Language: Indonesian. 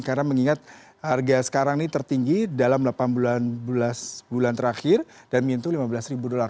karena mengingat harga sekarang ini tertinggi dalam delapan bulan bulan terakhir dan mintu lima belas ribu dollar